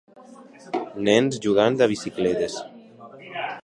Nens jugant a bicicletes.